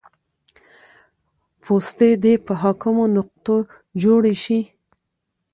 پوستې دې په حاکمو نقطو جوړې شي